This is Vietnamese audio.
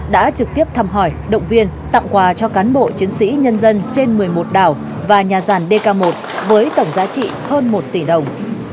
đã trực tiếp thăm hỏi động viên tặng quà cho cán bộ chiến sĩ nhân dân trên một mươi một đảo và nhà ràn dk một với tổng giá trị hơn một tỷ đồng